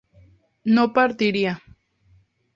no partiría